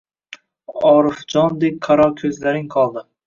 Orifjondek qaro ko‘zlaring qoldi